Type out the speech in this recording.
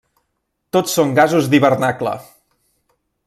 Tots són gasos d'hivernacle.